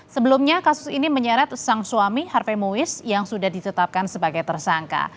sebelumnya kasus ini menyeret sang suami harve muis yang sudah ditetapkan sebagai tersangka